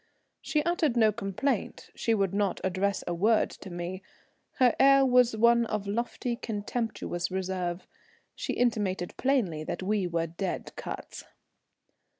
She uttered no complaint, she would not address a word to me; her air was one of lofty, contemptuous reserve; she intimated plainly that we were "dead cuts."